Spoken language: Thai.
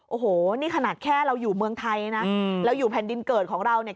โอ้โหนี่ขนาดแค่เราอยู่เมืองไทยนะเราอยู่แผ่นดินเกิดของเราเนี่ย